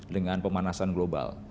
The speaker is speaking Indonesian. dengan pemanasan global